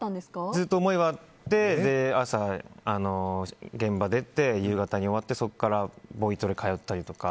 ずっと思いはあって朝、現場出て夕方に終わって、そこからボイトレ通ったりとか。